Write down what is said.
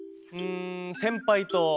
ん先輩と。